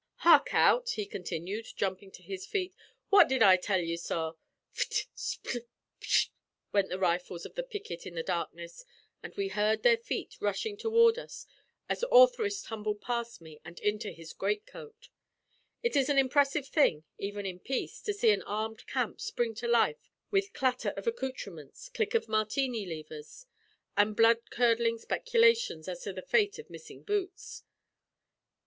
Hark out!" he continued, jumping to his feet. "What did I tell you, sorr?" Fttl! spttl! whttl! went the rifles of the picket in the darkness, and we heard their feet rushing toward us as Ortheris tumbled past me and into his greatcoat. It is an impressive thing, even in peace, to see an armed camp spring to life with clatter of accouterments, click of Martini levers, and blood curdling speculations as to the fate of missing boots.